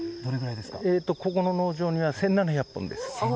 この農場には１７００本です。